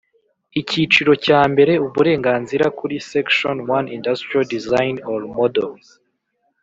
Icyiciro cya mbere Uburenganzira ku Section one Industrial design or model